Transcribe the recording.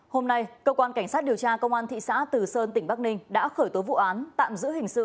hôm nay cơ quan cảnh sát điều tra công an thị xã từ sơn tỉnh bắc ninh đã khởi tố vụ án tạm giữ hình sự